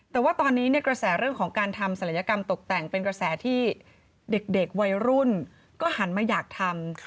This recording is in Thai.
แต่ว่าตอนนี้กระแสเรื่องของการทำศัลยกรรมตกแต่งเป็นกระแสที่เด็กวัยรุ่นก็หันมาอยากทำ